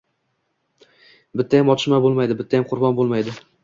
Bittayam otishma bo‘lmaydi, bittayam qurbon bo‘lmaydi!